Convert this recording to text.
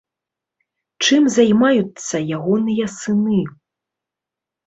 Чым займаюцца ягоныя сыны?